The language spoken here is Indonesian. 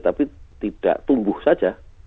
tapi tidak tumbuh saja